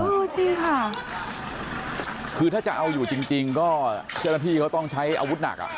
เออจริงค่ะคือถ้าจะเอาอยู่จริงจริงก็เชนธีเขาต้องใช้อาวุธหนักอ่ะ